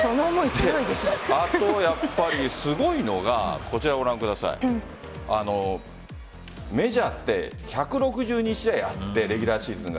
あと、やっぱりすごいのがメジャーって１６２試合あってレギュラーシーズンが。